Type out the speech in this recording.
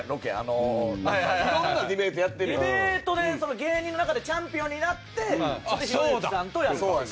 ディベートで芸人の中でチャンピオンになってそれでひろゆきさんとやったっていう。